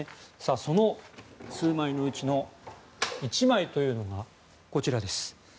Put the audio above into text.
その数枚のうちの１枚というのがこちらです。